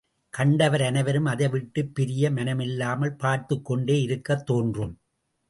கண்டவர் அனைவரும் அதை விட்டுப் பிரிய மனமில்லாமல் பார்த்துக்கொண்டே இருக்கத் தோன்றும்.